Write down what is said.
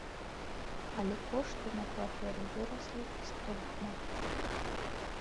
Але кошты на кватэры выраслі істотна.